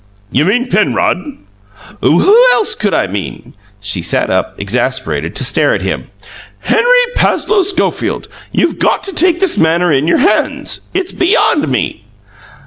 "You mean Penrod?" "Who else could I mean?" She sat up, exasperated, to stare at him. "Henry Passloe Schofield, you've got to take this matter in your hands it's beyond me!"